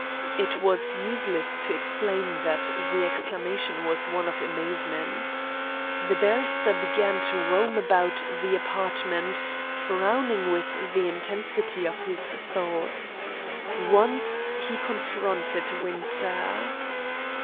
It was useless to explain that the exclamation was one of amazement. The barrister began to roam about the apartment, frowning with the intensity of his thoughts. Once he confronted Winter.